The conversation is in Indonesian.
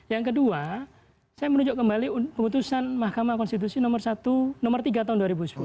yang kedua saya menunjuk kembali keputusan mahkamah konstitusi nomor tiga tahun dua ribu sepuluh